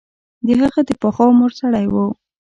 هغه د پاخه عمر سړی وو.